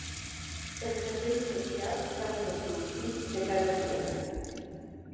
Els serveis socials treuen els seus fills de casa seva.